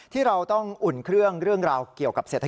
ที่เราต้องอุ่นเครื่องเรื่องราวเกี่ยวกับเศรษฐ